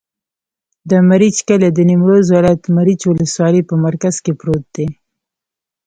د مريچ کلی د نیمروز ولایت، مريچ ولسوالي په مرکز کې پروت دی.